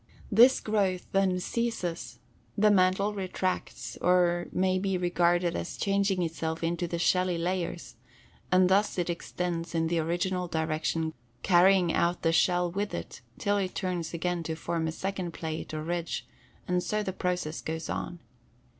This growth then ceases, the mantle retracts, or may be regarded as changing itself into the shelly layers, and thus it extends in the original direction, carrying out the shell with it, till it turns again to form a second plate or ridge; and so the process goes on.